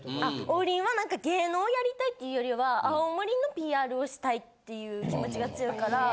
王林は何か芸能をやりたいっていうよりは青森のＰＲをしたいっていう気持ちが強いから。